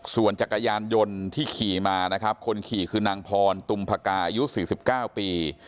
ส่วนจักรยานยนต์ที่ขี่มานะครับคนขี่คือนางพรตุมพกาอายุ๔๙ปี